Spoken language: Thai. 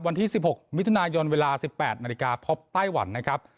วันที่๑๖มิถุนายนเวลา๑๘นาฬิกาพบไต้หวันนะครับ